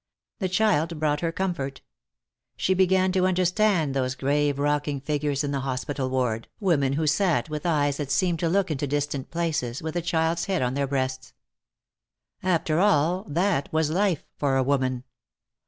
The child brought her comfort. She began to understand those grave rocking figures in the hospital ward, women who sat, with eyes that seemed to look into distant places, with a child's head on their breasts. After all, that was life for a woman.